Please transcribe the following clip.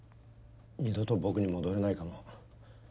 二度と僕に戻れないかも。